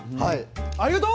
ありがとう！